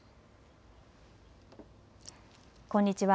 こんにちは。